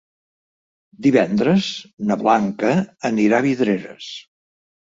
Divendres na Blanca anirà a Vidreres.